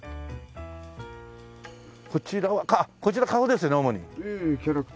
こちらはあっこちら顔ですね主に。